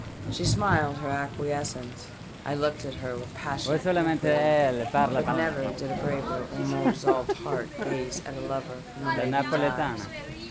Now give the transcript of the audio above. She smiled her acquiescence. I looked at her with passionate inquiry, but never did a braver and more resolved heart gaze at a lover from a maiden's eyes.